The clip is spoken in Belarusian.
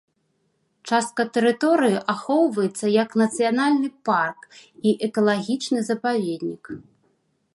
Частка тэрыторыі ахоўваецца як нацыянальны парк і экалагічны запаведнік.